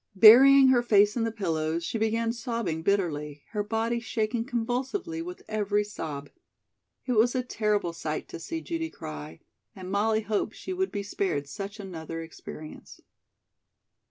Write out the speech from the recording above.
Burying her face in the pillows, she began sobbing bitterly, her body shaking convulsively with every sob. It was a terrible sight to see Judy cry, and Molly hoped she would be spared such another experience.